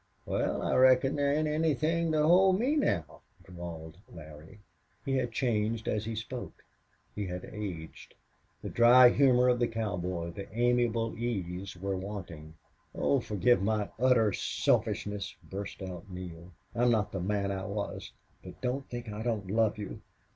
"Wal, I reckon there ain't anythin' to hold me now," drawled Larry. He had changed as he spoke. He had aged. The dry humor of the cowboy, the amiable ease, were wanting. "Oh, forgive my utter selfishness!" burst out Neale. "I'm not the man I was. But don't think I don't love you."